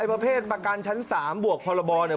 พอเทศประกันชั้น๓บวกประบอบนี่